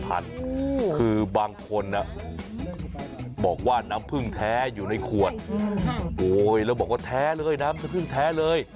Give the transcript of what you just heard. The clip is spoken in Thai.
คือบางคนบอกว่าน้ำพึ่งแท้อยู่ในขวดโอ้ยแล้วบอกว่าแท้เลยน้ำพึ่งแท้เลย